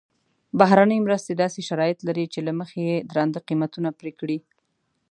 بهرنۍ مرستې داسې شرایط لري چې له مخې یې درانده قیمتونه پرې کړي.